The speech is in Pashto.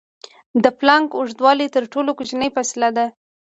د پلانک اوږدوالی تر ټولو کوچنۍ فاصلې ده.